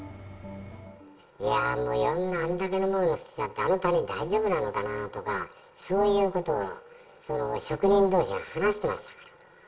いやー、もう、いろんなあれだけのものを捨てちゃって、あの谷、大丈夫なのかなとか、そういうことを職人どうし、話してましたから。